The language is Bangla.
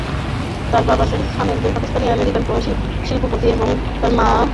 তার বাবা শহিদ খান একজন পাকিস্তানি-আমেরিকান শিল্পপতি এবং তার মা এন কার্লোস খান।